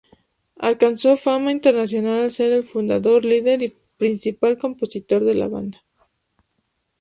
Alcanzó fama internacional al ser el fundador, líder y principal compositor de la banda.